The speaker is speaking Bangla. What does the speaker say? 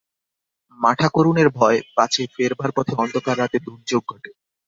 মাঠাকরুনের ভয়, পাছে ফেরবার পথে অন্ধকার রাতে দুর্যোগ ঘটে।